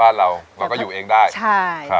เราก็อยู่เองได้